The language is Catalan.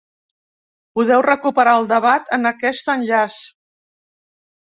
Podeu recuperar el debat en aquest enllaç.